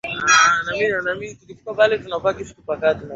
Masikio machafu.